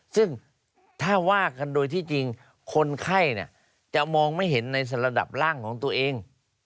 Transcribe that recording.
ซึ่งถ้าว่ากันโดยที่จริงคนไข้จะมองไม่เห็นในระดับล่างของตัวเอง